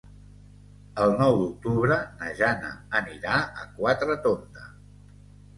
El nou d'octubre na Jana anirà a Quatretonda.